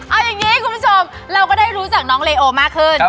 เอาอย่างนี้คุณผู้ชมเราก็ได้รู้จักน้องเลโอมากขึ้น